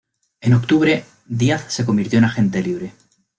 En octubre, Díaz se convirtió en agente libre.